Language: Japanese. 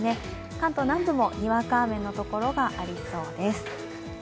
関東南部もにわか雨の所がありそうです。